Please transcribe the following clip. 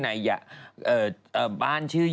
ในอ่าบ้านชื่อ